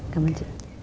cảm ơn chị